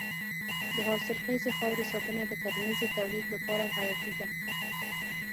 د حاصلخیزې خاورې ساتنه د کرنیزې تولید لپاره حیاتي ده.